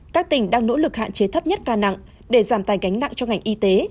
các tỉnh đang nỗ lực hạn chế thấp nhất ca nặng để giảm tài cánh nặng cho ngành y tế